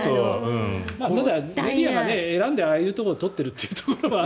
ただ、メディアが選んでああいうところを撮っているっていうのはね。